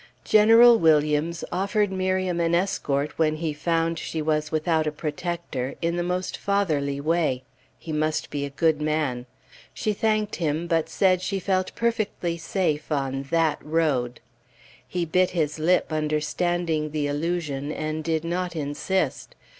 General Williams offered Miriam an escort when he found she was without a protector, in the most fatherly way; he must be a good man. She thanked him, but said "she felt perfectly safe on that road." He bit his lip, understanding the allusion, and did not insist.